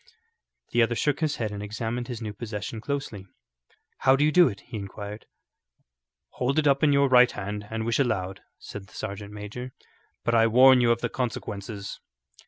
The other shook his head and examined his new possession closely. "How do you do it?" he inquired. "Hold it up in your right hand and wish aloud," said the sergeant major, "but I warn you of the consequences."